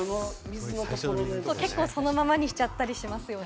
結構そのままにしちゃったりしますよね。